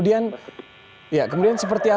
saya percaya begini